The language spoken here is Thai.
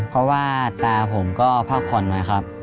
เพราะว่าตาผมก็พักผ่อนมาครับ